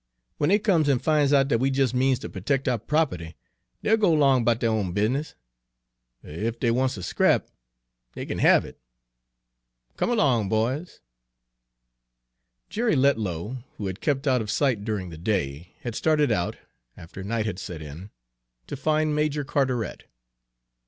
Wen dey comes an' fin's out dat we jes' means ter pertect ou' prope'ty, dey'll go 'long 'bout deir own business. Er, ef dey wants a scrap, dey kin have it! Come erlong, boys!" Jerry Letlow, who had kept out of sight during the day, had started out, after night had set in, to find Major Carteret.